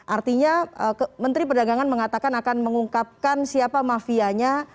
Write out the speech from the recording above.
artinya menteri perdagangan mengatakan akan mengungkapkan siapa mafianya